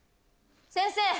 先生。